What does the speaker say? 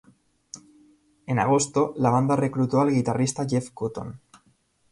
En agosto, la banda reclutó al guitarrista Jeff Cotton.